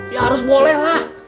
ya harus boleh lah